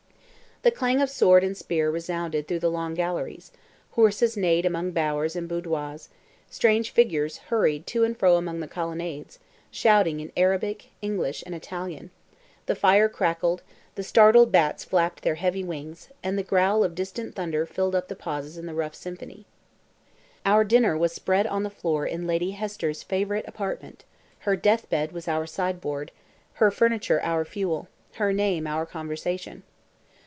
The clang of sword and spear resounded through the long galleries; horses neighed among bowers and boudoirs; strange figures hurried to and fro among the colonnades, shouting in Arabic, English, and Italian; the fire crackled, the startled bats flapped their heavy wings, and the growl of distant thunder filled up the pauses in the rough symphony. Our dinner was spread on the floor in Lady Hester's favourite apartment; her deathbed was our sideboard, her furniture our fuel, her name our conversation.